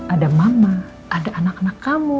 ada mama ada anak anak kamu